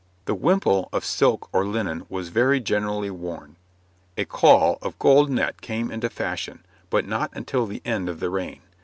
The wimple of silk or linen was very generally worn. A caul of gold net came into fashion, but not until the end of the reign.